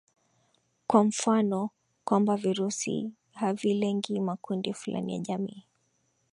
kwa mfano kwamba virusi havilengi makundi fulani ya jamii